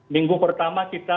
minggu pertama kita